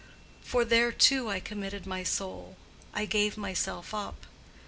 —for there too I committed my soul—I gave myself up.